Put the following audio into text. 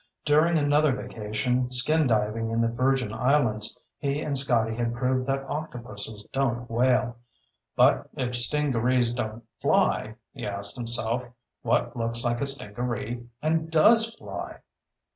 During another vacation, skin diving in the Virgin Islands, he and Scotty had proved that octopuses don't wail. But if stingarees don't fly, he asked himself, what looks like a stingaree and does fly?